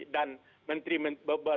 dan menteri perintah